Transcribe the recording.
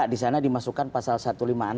disana dimasukkan pasal satu ratus lima puluh enam a